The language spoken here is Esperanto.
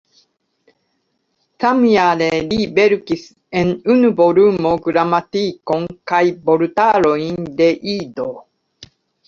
Samjare li verkis en unu volumo gramatikon kaj vortarojn de Ido.